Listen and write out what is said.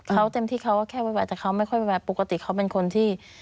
เขาเต็มที่เขาก็แค่ไวแต่เขาไม่ค่อยไวปกติเขาเป็นคนที่